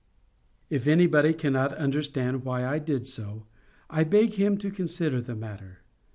If anybody cannot understand why I did so, I beg him to consider the matter.